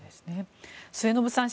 末延さん